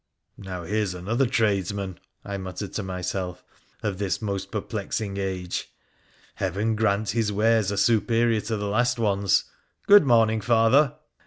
' Now here's another tradesman,' I muttered to myself, ' of this most perplexing age. Heaven grant his wares are superior to the last ones ! Good morning, Father